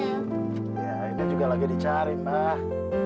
ya ini juga lagi dicari mbah